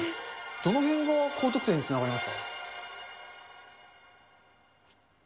どの辺が高得点につながりました？